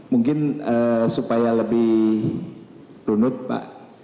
mungkin supaya lebih runut pak